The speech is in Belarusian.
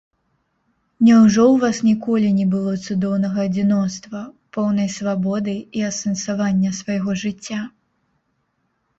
Няўжо ў вас ніколі не было цудоўнага адзіноцтва, поўнай свабоды і асэнсавання свайго жыцця?